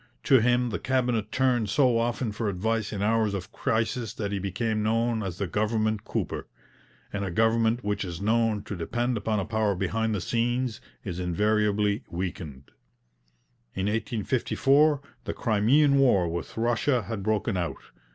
To him the Cabinet turned so often for advice in hours of crisis that he became known as the 'government cooper'; and a government which is known to depend upon a power behind the scenes is invariably weakened. In 1854 the Crimean War with Russia had broken out.